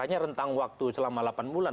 hanya rentang waktu selama delapan bulan